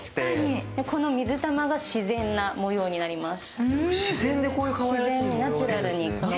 この水玉が自然な模様になります。